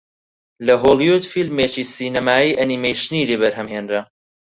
لە هۆڵیوود فیلمێکی سینەمایی ئەنیمەیشنی لێ بەرهەم هێنرا